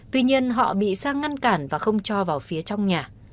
tuy nhiên họ bị sang ngăn cản và không cho vào phía trong nhà